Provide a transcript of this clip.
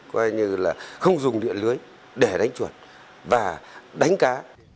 coi như là không dùng điện lưới để đánh chuột và đánh cá